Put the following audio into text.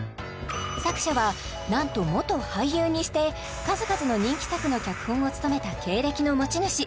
作者はなんと元俳優にして数々の人気作の脚本を務めた経歴の持ち主